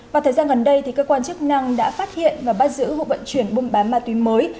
và thời gian gần đây cơ quan chức năng đã phát hiện và bắt giữ vụ vận chuyển buôn bán ma túy mới